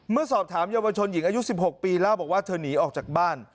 เมื่อสอบถามเยาวชนหญิงอายุ๑๖ปีเล่าบอกว่าเธอหนีออกจากบ้าน